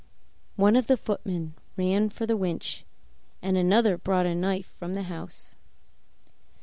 One of the footmen ran for the winch, and another brought a knife from the house.